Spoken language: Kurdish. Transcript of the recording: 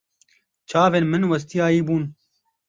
Çavên min westiyayî bûn.